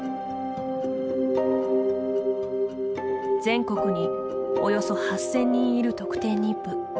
全国に、およそ８０００人いる特定妊婦。